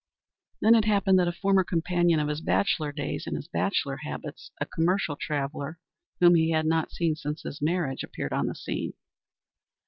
Then it happened that a former companion of his bachelor days and his bachelor habits, a commercial traveller, whom he had not seen since his marriage, appeared on the scene.